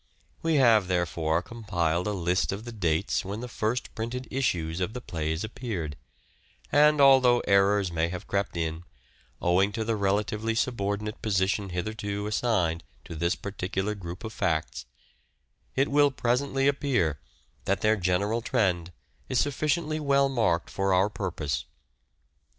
We have, therefore, compiled a list of the dates when the first printed issues of the plays appeared ; and although errors may have crept in, owing to the relatively subordinate position hitherto assigned to this particular group of facts, it will presently appear that their general trend is sufficiently well marked for our purpose.